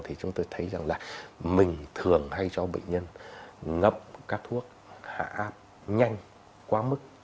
thì chúng tôi thấy rằng là mình thường hay cho bệnh nhân ngậm các thuốc hạ áp nhanh quá mức